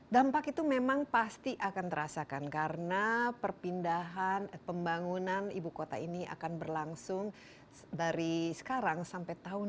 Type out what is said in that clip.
dampak itu memang pasti akan terasakan karena perpindahan pembangunan ibu kota ini akan berlangsung dari sekarang sampai tahun dua ribu dua puluh